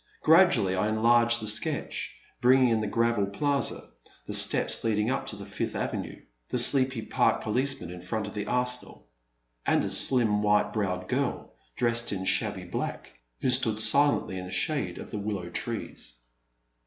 Gradually I enlarged the sketch, bringing in the gravel plaza, the steps leading up to Fifth Avenue, the sleepy park policeman in front of the arsenal — ^and a slim, white browed girl, dressed in shabby black, who stood silently in the shade of the willow trees.